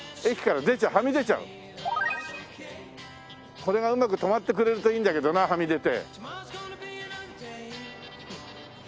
これがうまく止まってくれるといいんだけどなはみ出て。